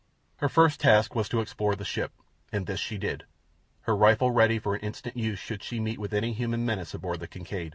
Her first task was to explore the ship, and this she did, her rifle ready for instant use should she meet with any human menace aboard the Kincaid.